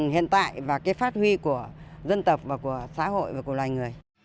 hiện tại và cái phát huy của dân tộc và của xã hội và của loài người